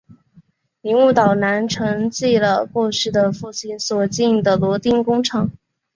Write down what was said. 铃木岛男承继了过世的父亲所经营的螺钉工厂。